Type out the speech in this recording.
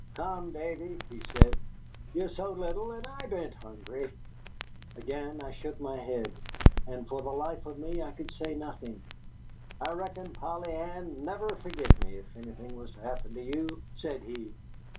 "Come, Davy," he said, "ye're so little, and I beant hungry." Again I shook my head, and for the life of me I could say nothing. "I reckon Polly Ann'd never forgive me if anything was to happen to you," said he.